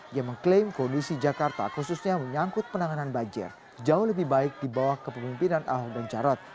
ia mengklaim kondisi jakarta khususnya menyangkut penanganan banjir jauh lebih baik di bawah kepemimpinan ahok dan jarot